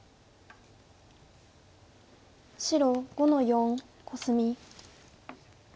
白５の四コスミ。